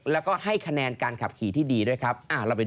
แล้วก็ให้คะแนนการขับขี่ที่ดีด้วยครับ